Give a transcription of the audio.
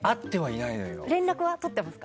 連絡は取っていますか？